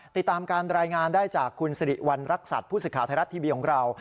ติดตามการรายงานได้จากคุณสิริวัณรักษัตริย์ผู้สื่อข่าวไทยรัฐทีวีของเรา